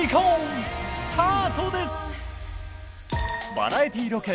バラエティロケ